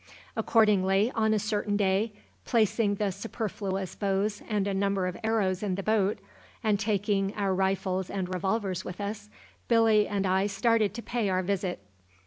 Accordingly, on a certain day, placing the superfluous bows and a number of arrows in the boat, and taking our rifles and revolvers with us, Billy and I started to pay our visit.